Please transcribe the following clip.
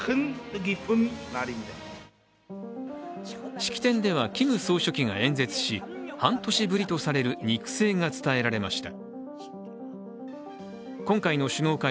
式典ではキム総書記が演説し、半年ぶりとされる肉声が伝えられました。